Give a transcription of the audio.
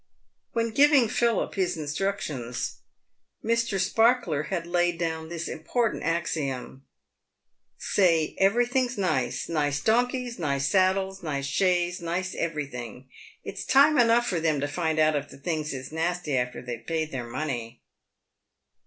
When giving Philip his instructions, Mr. Sparkler had laid down this important axiom :" Say everything's nice — nice donkeys, nice saddles, nice shays, nice everything. It's time enough for them to find out if the things is nasty after they've paid their money."